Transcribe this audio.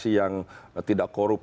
pentingnya kondisi yang tidak korup